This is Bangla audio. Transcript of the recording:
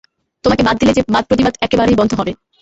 তোমাকে বাদ দিলে যে বাদপ্রতিবাদ একেবারেই বন্ধ হবে।